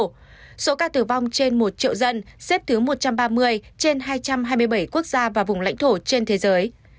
trong số ca tử vong trên một triệu dân xếp thứ một trăm ba mươi trên hai trăm hai mươi bảy quốc gia và vùng lãnh thổ trên thế giới